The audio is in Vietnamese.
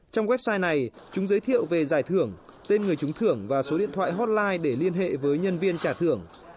trong website này chúng giới thiệu về giải thưởng tên người trúng thưởng và số điện thoại hotline để liên hệ với nhân viên trả thưởng